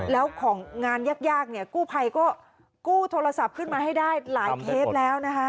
แล้วของงานยากเนี่ยกู้ภัยก็กู้โทรศัพท์ขึ้นมาให้ได้หลายเคสแล้วนะคะ